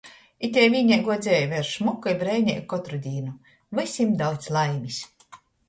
Itei vīneiguo dzeive ir šmuka i breineiga kotru dīnu!... Vysim daudz laimis!!!